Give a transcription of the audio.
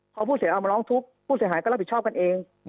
พอผู้เสียหายเอามาร้องทุกข์ผู้เสียหายก็รับผิดชอบกันเอง